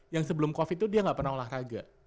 yang sebelum covid itu dia nggak pernah olahraga